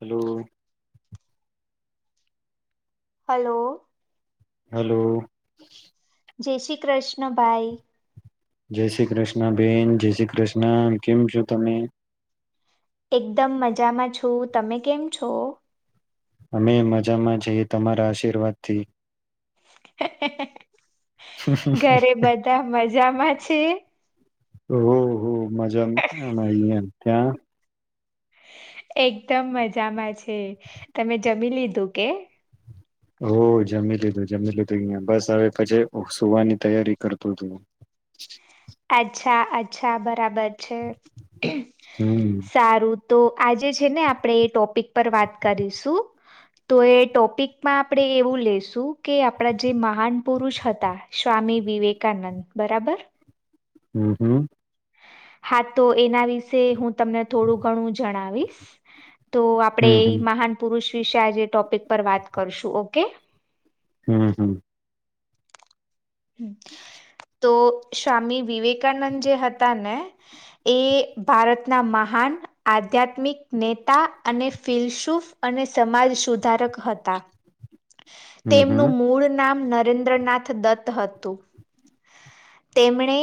Hello hello. Hello. જે શ્રી કૃષ્ણ ભાઈ. જય શ્રી કૃષ્ણ બેેન, જય શ્રી કૃષ્ણ, કેમ છો તમે? એકદમ મજામાં છું, તમે કેમ છો? અમેઇ મજામાં છઇએ તમારા આશીર્વાદ થી. ઘરે બધા મજામાં છે? હો હો મજામા અમારે ન્યા, ત્યાં? એકદમ મજામાં છે, તમે જમી લીધું કે? ઓ જમી લીધું, જમી લીધુ ઈયા, બસ હવે પછી સુવાની તૈયારી કરતો તો. અચ્છા અચ્છા, બરાબર છે, હમ સારું. તો આજે છે ને આપણેે એ ટોપિક પર વાત કરીશું, તો એ ટોપિકમાં આપણે એવું લેેશું કે આપણા જે મહાન પુરુષ હતા, સ્વામી વિવેકાનંદ બરાબર? હમ્મ હમ્મ. હા તો એના વિશે હું તમને થોડું ઘણું જણાવીશ. તો આપડે એ હમ મહાન પુરુષ વિશે આજે એ ટોપિક પર વાત કરશું, ઓકે? હમ્મ હમ્મ. હમ્મ. તો સ્વામી વિવેકાનંદ જે હતા ને, એ ભારતના મહાન આધ્યાત્મિક નેતા અને ફીલશુફ અને સમાલ સુધારક હતા. હમ હમ તેમનું મૂળ નામ નરેન્દ્રનાથ દત્ ત હતું. તેમણે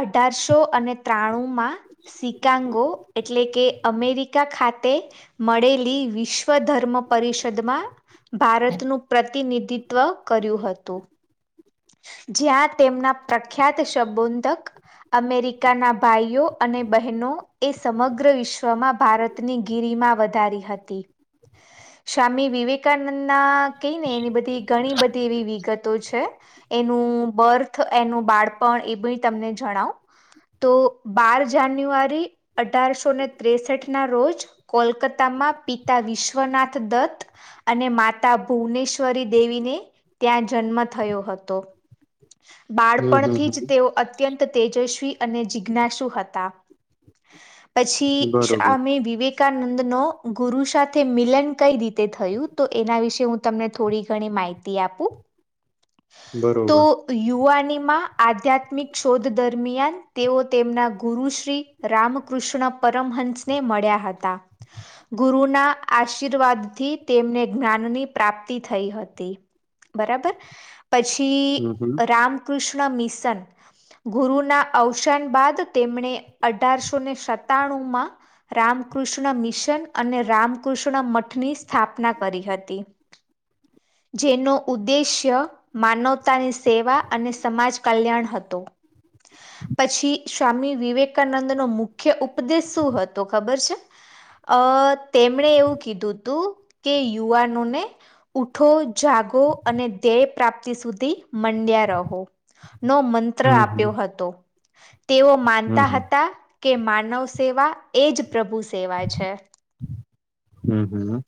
અઢારશો અને ત્રાણું માં સિકાંગો એટલે કે અમેરિકા ખાતે મળેલી વિશ્વ ધર્મ પરિષદમાં ભારતનું પ્રતિનિધિ ત્વ કર્યું હતું. જ્યાં તેમના પ્રખ્યાત શબોંધક અમેરિકાના ભાઈઓ અને બેહનો એ સમગ્ર વિશ્વમાં ભારતની ગીરીમાં વધારી હતી. સ્વામી વિવેકાનંદના કહીને એની બધી ઘણી બધી એવી વિગતો છે. એનું બર્થ, એનું બાળપણ એ બી તમને જણાવ. તો બાર જાન્યુઆરી, અઢારસો ને ત્રેસઠ ના રોજ કોલકાતામાં પિતા વિશ્વનાથ દત્ત અને માતા ભુવનેશ્વરી દેવીને ત્યાં જન્મ થયો હ તો. હમ બાળપણથી જ હમ તેઓ અત્યંત તેજસ્વી અને જિજ્ઞાસુ હતા. પછી બરોબર શામી વિવેકા નંદ નો ગુરુ સાથે મિલન કહી રી તે થયું તો એના વિશે હું તમને થોડી ઘણી માહિતી આપું? તો બરોબર યુવા નીમાં આધ્યાત્મિક શોધ દરમિયાન તેઓ તેમના ગુરુ શ્રી રામકૃષ્ણ પરમહંસ ને મળ્યા હતા. ગુરુના આશીર્વાદ થી તેમને જ્ઞાનની પ્રાપ્તિ થઈ હતી. બરાબર? હમ પછી હમ રામ કૃષ્ણ મિશન ગુરુના અવસાન બાદ તેમણે અઢારસોને સતાણું માં રામકૃષ્ણ મિશન અને રામકૃષ્ણ મઠની સ્થાપના કરી હતી જેનો ઉદ્દેશ્ય માનવતાની સેવા અને સમાજ કલ્યાણ હતો પછી સ્વામી વિવેકાનંદ નો મુખ્ય ઉપદેશ શું હતો ખબર છે અ તેમણે એવું કીધું હતું કે યુવાનોને ઉ ઠો જાગો અને ધ્યેય પ્રાપ્તિ સુધી મંડ્યા રહો નો મંત્ર હમ હમ આપ્યો હતો તેઓ માનતા હમ હતા કે માનવ સેવા એ જ પ્રભુ સેવા છે હમ્મ હમ્મ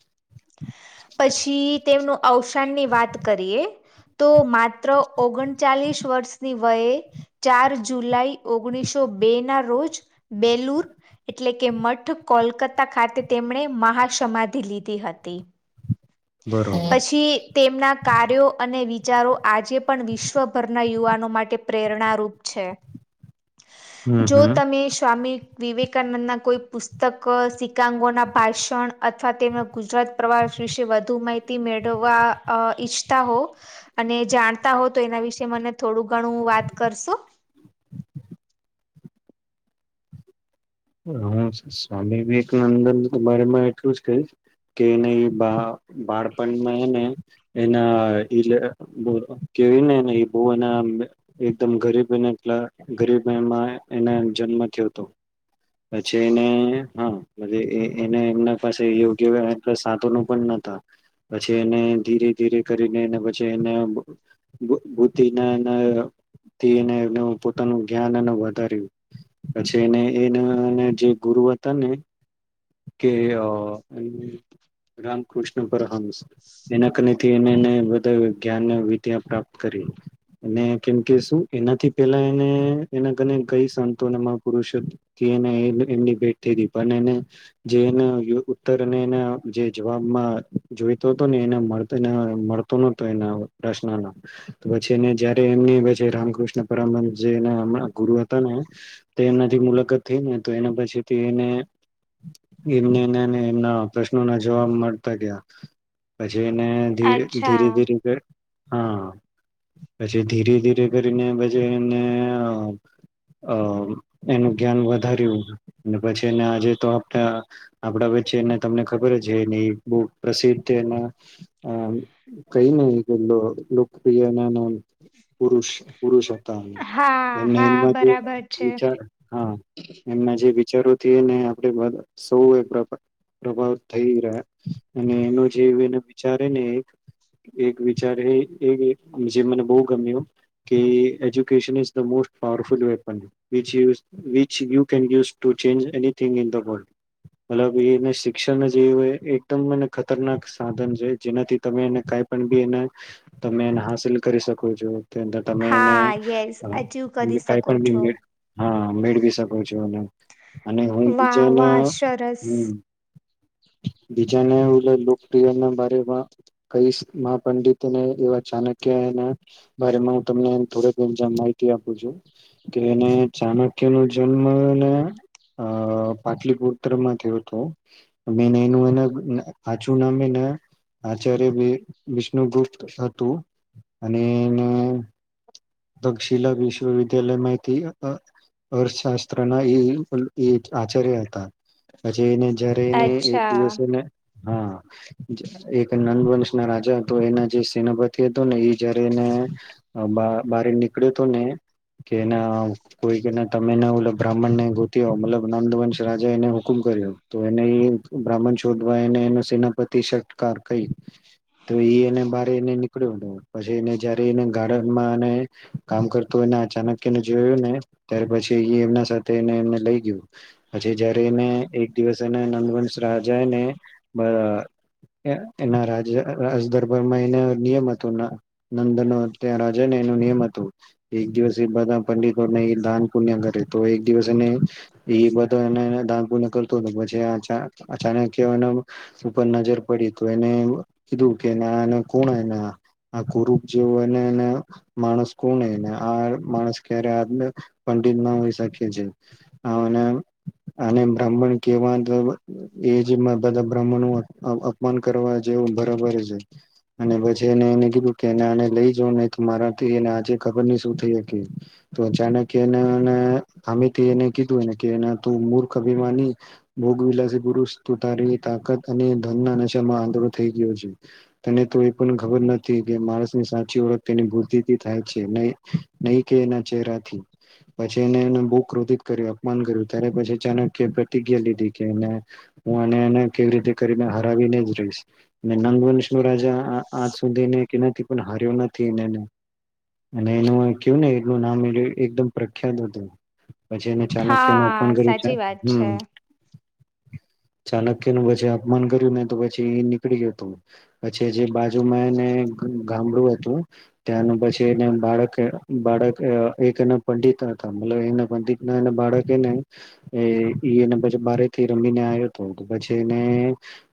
પછી તેમનું અવસાન ની વાત કરીએ તો મા માત્ર ઓગણચાલીસ વર્ષની વયે ચાર જુલાઈ ઓગણીસો બે ના રોજ બેલુર એટલે કે મઠ કોલકાતા ખાતે તેમણે મહાસમાધિ લીધી હતી બરોબર પછી તેમના કાર્યો અને વિ વિચારો આજે પણ વિશ્વભરના યુવાનો માટે પ્રેરણારૂપ છે હમ જો હમ તમે સ્વામી વિવેકાનંદ ના કોઈ પુસ્તક સિકાંગો ના ભાષણ અથવા તેમના ગુજરાત પ્રવાસ વિશે વધુ માહિતી મેળવવા ઈચ્છતા હો અને જાણતા હો તો એના વિશે મને થોડું ઘણું વાત કરશો હું સ્વામી વિવેકાનંદન બરા માં એટલું જ કહીશ કે એને એ બા બાળપણમાં એને એના ઇટલે કેયુ નેને બો એના એકદમ ગરીબ ગરીબ એમાં એનો જન્મ થયો હતો પછી એન હા પલે એને એમના પાસે યોગ્ય સાધનો પણ નોતા પછી એને ધીરે ધીરે કરીને અને પછી એને બુ બુદ્ધિના એથી એને એનું પોતાનું જ્ઞાન એ વધાર્યું પછી એને એને અને જે ગુરુ હતા ને કે અ રામકૃષ્ણ પરહંસ એના કનેથી એને એને બધો જ્ઞાન ને વિદ્યા પ્રાપ્ત કરી અને કેમકે શુ એનાથી એને પેલા એને એનાને કઈ સંતોને મહા પુરુષોથી એમની ભેટ થઈલી પણ એને જે એના ઉત્તર અને એના જે જવાબમાં જોઈતો હતો ને એને મળતો નતો એના પ્રશ્નનો તો પછી એ જયારે એમની પછી રામકૃષ્ણ પરમહંસ જે અમે ના ગુરુ હતા નેતેનાથી મુલાકાત થઈ ને તો એના પછી એને એમને એમના પ્રશ્નો ના જવાબ મળતા ગયા પ જેને ધીરે ધીરે અચ્છા ધીરે કે હા પછી ધીરે ધીરે કરીને પછી એને અમને અ એનું જ્ઞાન વધાર્યું અને પછી એને આજે તો અ આપડા વચ્ચે એને તમને ખબર જ છે એ બો પ્રસિદ્ધ એના અ કઈયે ને એ લોક લોકપ્રિય એના પુરુષ પુરુષ તામ હા હા [unintelligible] જે બરાબર છે વિચાર હા એમના જે વિ જરૂર થી ને આપડે બધ સવે એ પ્રભાવ થઈ રહ્યા અને એનો જે એને વિચારેને એ એક વિચારે જે મને બો ગમ્યું કે education is the most powerful weapon which you can use to change anything in the world મલબી ઈ ને શ શિક્ષામાં જે હોયે એકદમ મ ખતરનાક સાધન છે જેનાથી તમે એને કઈ પણ બી એને તમે એને હંસિલ કરી શકો છો તે અંદર તમે એને હા યસ અ અચીવ કરી કાઈ શકો પણ ગી છો મેં હા મેળવી શકો છ જો અને હું વાહ બીજેને વાહ સરસ બીજાને ઓલા ને લોકપ્રિય ને બારેમા કહીશ મહા પંડિતને એવા ચાણક્ય એના બારેમાં હું તમને થોડક માહિતી આપું છું કે એને ચાણક્ય નો જન્મને એ પાટલીપુ પુત્ર માં થયો હતો ને મેને એનું એના હાચું નામે એને આચાર્ય વિ વિષ્ણુગુપ્ત હતું અને એને દક્ષિલા વિશ્વવિદ્યાલયમાંથી અર્થશાસ્ત્રના એ એ આચાર્ય હતા જે એને તે જયારે એને એક અચ્છા દિવસ એને હા. એક નંદ વંશ ના રાજા હતો એના જે સેનાપતિ હતો ને એ- જ્યારે એને અલા બારે નીકળ્યો તો ને કેના કોઈ કે ના તમે ના ઓલો બ્રાહ્મણ ને ગોતી મતલબ નંદવંશ રાજા એને હુકુમ કર્યો તો એને એ બ્રાહ્મણ શોધવા એને એ સેનાપતિ સટકાર કઈ તો એ એને બારે એને નીકળ્યો પછી એને જયારે એને ગાર્ડનમાં અને એક કામ કરતું એને અચાનક એને જોયું ને ત્યારે પછી એ એમના સાથ તે એ લઈ ગયું પછી જયારે એને એક દિવસ એ નંદ વંશ રાજાને બાહ એના રાજ-રાજદરબારમાં એનો નિયમ હતો ના નંદનો ત્યાં રાજા ને એ નિયમ હતું. એક દિવસ એધ પંડિતોને દાન પુણ્ય કરે તો એક દિવસ એને એ બધા ને દાન પુણ્ય કરતો પછી અચા-અચાનક એના ઉપર નજર પડી તો એને કીધું કે કોણ આ એ કોનાં એના આ કુરુ જેવું અને એને માણસ કોને એને આ માણસ ક્યારે આદમે પંડિત ના હોઈ શકે છે આને અને બ્રાહ્મણ કેવા એ જ બધા બ્રા્મણું અપ-અપમાન કરવા જેવું બરાબર છે અને પછી એને એને કીધું કે આને લઈ જાઓ નહીં તો મારા તે એલા આજે ખબર ન શું થઈ તો અચાનક એને એને આને કીધુંકે તે મૂર્ખને અભિમાની ભોગ વિલાસી પુરુષ ત તારી તાકાત અને ધન ના નશામાં આંધળો થઈ ગયો છે તને તો એ પણ ખબર નથી કે માણસ ની સાચી ઓળખ તેની બુદ્ધિ એ થાય છે ને નહી કે એના ચેરાથી પછી એને એ બુ ક્રોધિત કર્યું અપમાન કર્યું ત્યારે પછી ચાણક્ય પ્રતિજ્ઞા લીધી કેને હું આને એને કેવી રીતે કરીને હરાવીને જ રહીશ. નંદવનશ જે રાજા આજ સુધીની કે નથી પણ હાર્યો નથી એ એને. અને એનું કું ને એનું નામ એ એકદમ પ્રખ્યાત હતું. પછી એને ચાણક્યનું અપમાન હા કર્યું છે. સાચી વાત છે હમ્મ. ચાલક્યનું વઝે પછી અપમાન કર્યું ને તો પછી નીકળય હતું પછી જે બાજુમાં એને ગા-ગામડું હતું ત્યાં ને પછી એને બાળક બાળક અહ એક એના પંડિત હતા મતલબ એના પંડિત ના એ બાળક એ એનેને પછી બારે થી રમીને આવ્યો હતો પછી એને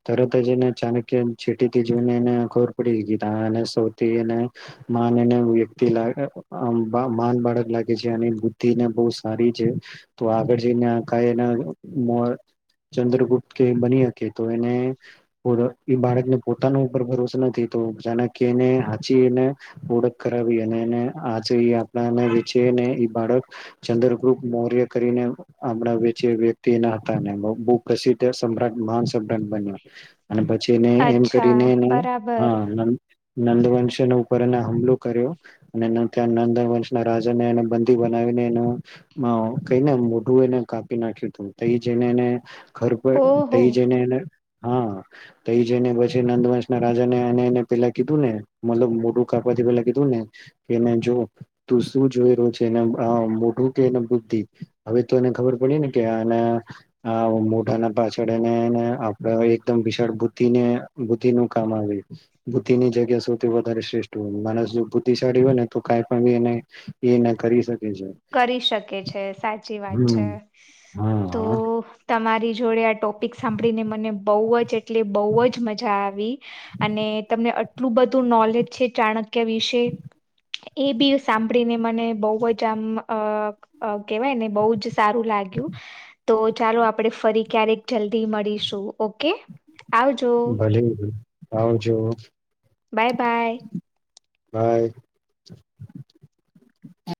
તરત જ એને ચાણક્ય ચેટીથી જોઈને એને ખબર પડી ગઈ થી તાને સૌથી એને ના મીને વ્યક્તિલા અહ અહ આમ બાળક લાગે છે અને બુદ્ધિને બહુ સારી છે તો આગળ જઈને આ કા એના મોર ચંદ્રગુપ્ત કે બની શકે તો એને ઓળ એ બાળકને પોતાના ઉપર ભરોસો નથી તો ચાણક્યે ને હાચી એને ઓળખ કરાવી અને એને આજે આપણાને વેચેને એ બાળક ચંદ્રગુપત મૌર્ય કરીને આપણા વેચે વ્યક્તિ એના હતા બહુ- બહુપ્રસિદ્ધ સમ્રાટ માસ તટ ડન બન્યા અને પછીને એમ અચ્છા કરીને એને બરાબર હા નેન નંદવંશ એણે પર એના હમલો કર્યો અને ને ત્યા નંદવંશ ના રાજાને એને બંદી બનાવીને એનું કઈ ને મોઢું એને કાપી નાખ્યું તું જને એને ઘર પર થઈ ઓહો જઈને એને હા તો એ જને પછી નંદવંશ ના રાજા ને અને એને પેલા કીધું ને મતલબ મોટું કાઇપા તો પેલાં કીધુંને કે એ જો તું શું જોઈ રહ્યો છે આહ મોઢું કે બુદ્ધિ હવે તો એને ખબર પડી ને કે આ આહ મોઢા ના પાછળ એને આપડા એકદમ વિશાળ બુદ્ધિને બુદ્ધિ નું કામ આવે બુદ્ધિની જગ્યા સૌથી વધારે શ્રેષ્ઠ તો માણસ જો બુદ્ધિશાળી હોય ને તો કઈ પણ બી એને એ ના કરી શક કરી શકે છે, સાચી વાત છે. હમ હા તો હા તમારી જોડે આ ટોપિક સાંભળીને મને બહુ જ એટલે બહુ જ મજા આવી અને તમને આટલું બધું નોલેજ છે ચાણક્ય વિશે એ બી સાંભળીને મને બહુ જ આમ અહ અહ કેવાય ને બહુ જ સારું લાગ્યું. તો ચાલો આપણે ફરી ક્યારેક જલ્દી મળીશું ઓકે. આવજો ભલી લીધી આવજો. Bye bye. બાય.